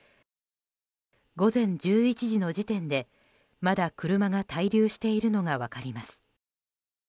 午前１１時の時点で、まだ車が滞留しているのが分かります。